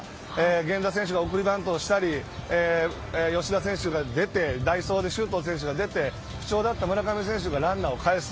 源田選手が送りバントをしたり吉田選手が出て代走で周東選手が出て不調だった村上選手がランナーを返す。